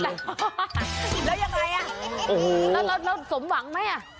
แล้วยังไงแล้วเราสมหวังไหม